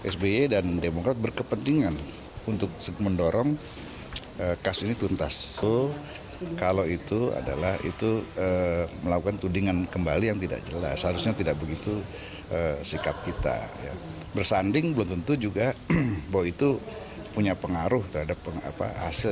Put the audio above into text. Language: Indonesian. sbi dan demokrat berkepentingan untuk mendorong kasus ini tuntas